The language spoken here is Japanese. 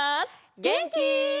げんき？